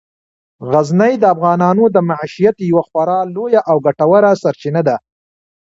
غزني د افغانانو د معیشت یوه خورا لویه او ګټوره سرچینه ده.